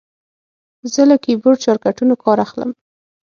زه له کیبورډ شارټکټونو کار اخلم.